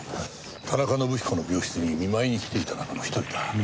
田中伸彦の病室に見舞いに来ていた中の一人だ。